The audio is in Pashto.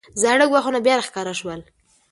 زاړه ګواښونه بیا راښکاره شول.